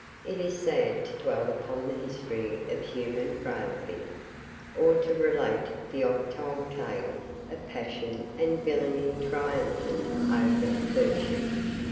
It is sad to dwell upon the history of human frailty, or to relate the oft told tale of passion and villainy triumphant over virtue.